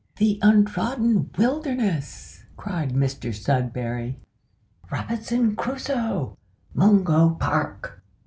the untrodden wilderness!" cried Mr Sudberry. "Robinson Crusoe! Mungo Park!